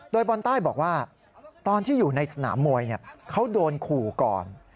โดยบอลใต้บอกว่าตอนที่อยู่ในสนามมวยเขาโดนขู่ก่อน